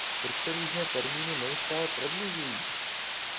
Proč se různé termíny neustále prodlužují?